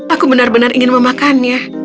aku benar benar ingin memakannya